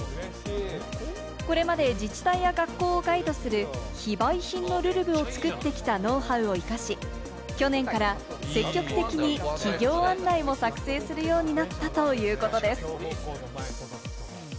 これまで自治体や学校をガイドする非売品の『るるぶ』を作ってきたノウハウを生かし、去年から積極的に企業案内も作成するようになったといいます。